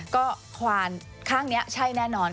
ก็ควานข้างนี้ใช่แน่นอน